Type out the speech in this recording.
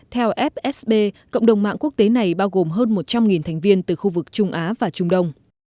theo fsb cộng đồng mạng quốc tế này bao gồm hơn một trăm linh thành viên từ khu vực trung á và trung đông